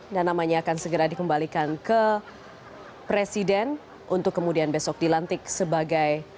dan namanya akan segera dikembalikan ke presiden untuk kemudian besok dilantik sebagai